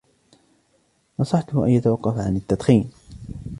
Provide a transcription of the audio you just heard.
نصحته أن يتوقف عن التدخين